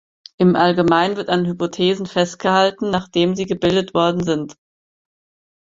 Im Allgemeinen wird an Hypothesen festgehalten, nachdem sie gebildet worden sind.